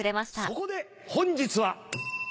そこで本日は。